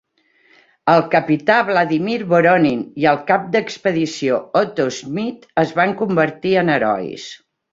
El capità Vladimir Voronin i el cap d'expedició Otto Schmidt es van convertir en herois.